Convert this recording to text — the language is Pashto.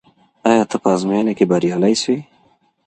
آیا ته په ازموينه کي بريالی سوې؟